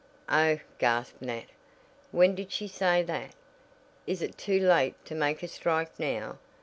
"Oh," gasped Nat, "when did she say that? Is it too late to make a strike now?